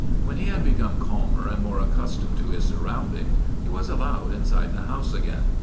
When he had become calmer and more accustomed to his surroundings he was allowed inside the house again.